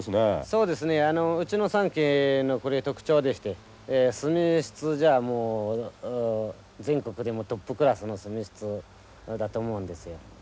そうですねうちの三色の特徴でして墨質じゃもう全国でもトップクラスの墨質だと思うんですよ。